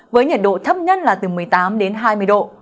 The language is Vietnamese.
với nhiệt độ thấp nhất là từ một mươi tám đến hai mươi độ